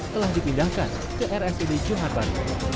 telah dipindahkan ke rsud johar baru